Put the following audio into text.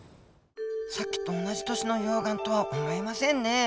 さっきと同じ年の溶岩とは思えませんね。